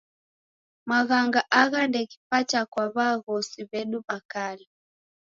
Maghanga agha deghipata kwa w'aghosi w'edu w'a kala.